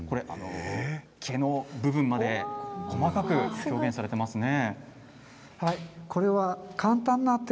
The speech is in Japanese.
毛の部分まで細かく表現されていますね。